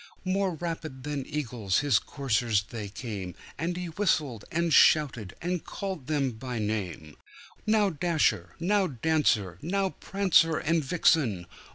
More rapid than eagles his coursers they came, And he whistled, and shouted, and called them by name; "Now, Dasher! Now, Dancer! Now, Prancer and Vixen!